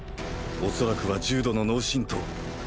おそらくは重度の脳しんとう。